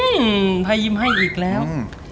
อื้มมไปยิ้มให้อีกแล้ว